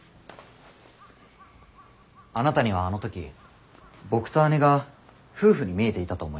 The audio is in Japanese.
あなたにはあの時僕と姉が夫婦に見えていたと思います。